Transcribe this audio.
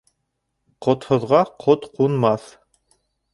Ҡотһоҙға ҡот ҡунмаҫ